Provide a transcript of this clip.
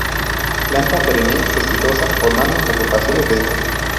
Planta perenne, cespitosa, formando agrupaciones densas.